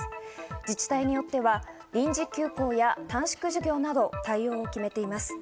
自治体によっては臨時休校や短縮授業など、対応を決めています。